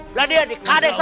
berani ya dikade sok